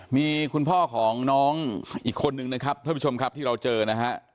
มีคุณพ่อของน้องอีกคนนึงนะครับท่านผู้ชมครับที่เราเจอนะฮะ